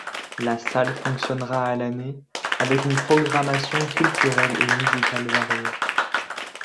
La salle fonctionnera à l'année, avec une programmation culturelle et musicale variée.